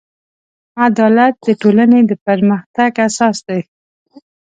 عدالت د ټولنې د پرمختګ اساس دی.